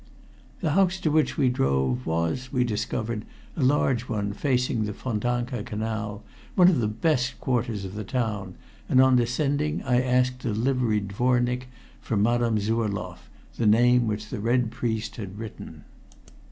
The house to which we drove was, we discovered, a large one facing the Fontanka Canal, one of the best quarters of the town, and on descending I asked the liveried dvornick for Madame Zurloff, the name which the "Red Priest" had written.